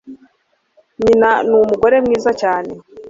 Nyina numugore mwiza cyane.